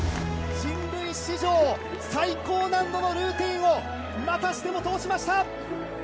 人類史上最高難度のルーティンをまたしても通しました。